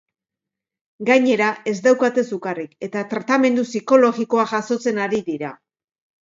Gainera, ez daukate sukarrik eta tratamendu psikologikoa jasotzen ari dira.